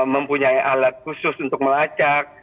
mempunyai alat khusus untuk melacak